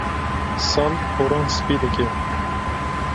Sal poran spî dike.